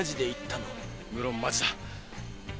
無論マジだ。